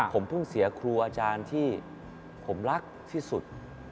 ผมเพิ่งเสียครูอาจารย์ที่ผมรักที่สุด